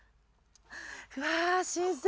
うわ新鮮。